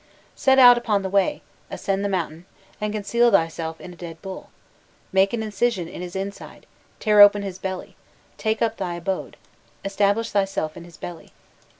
"Set out upon the way, ascend the mountain, and conceal thyself in a dead bull; make an incision in his inside tear open his belly, take up thy abode establish thyself in his belly.